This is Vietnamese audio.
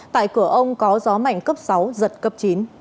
tại cửa ông có gió mạnh cấp sáu giật cấp chín